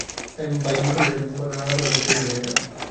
তাই মুখে মুখে নানা কথা প্রচারিত হইয়া গেল।